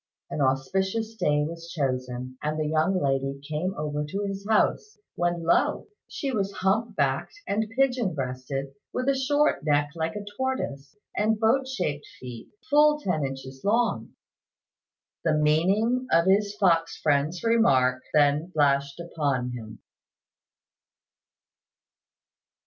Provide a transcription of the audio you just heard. An auspicious day was chosen, and the young lady came over to his house; when lo! she was hump backed and pigeon breasted, with a short neck like a tortoise, and boat shaped feet, full ten inches long. The meaning of his fox friend's remarks then flashed upon him.